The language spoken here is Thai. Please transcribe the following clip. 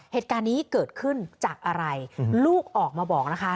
เหตุการณ์นี้เกิดขึ้นจากอะไรลูกออกมาบอกนะคะ